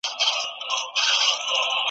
چي د سپوږمۍ په شپه له لیري یکه زار اورمه .